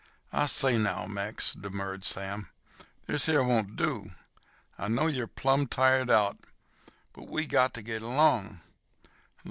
"I say now, Mex," demurred Sam, "this here won't do. I know you're plumb tired out, but we got ter git along.